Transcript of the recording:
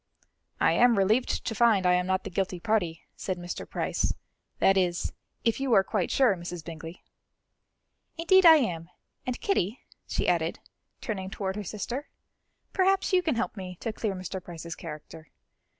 "I am relieved to find I am not the guilty party," said Mr. Price; "that is, if you are quite sure, Mrs. Bingley." "Indeed I am; and Kitty," she added, turning toward her sister, "perhaps you can help me to clear Mr. Price's character.